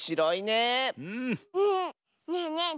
ねえねえ